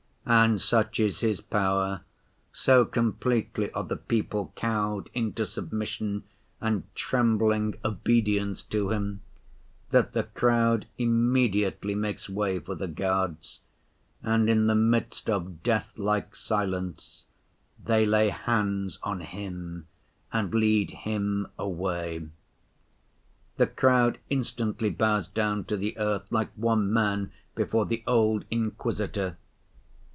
And such is his power, so completely are the people cowed into submission and trembling obedience to him, that the crowd immediately makes way for the guards, and in the midst of deathlike silence they lay hands on Him and lead Him away. The crowd instantly bows down to the earth, like one man, before the old Inquisitor.